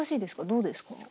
どうですか？